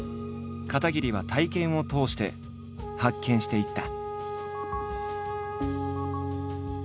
片桐は体験を通して発見していった。